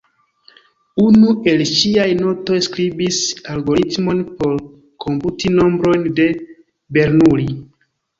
Unu el ŝiaj notoj priskribis algoritmon por komputi nombrojn de Bernoulli.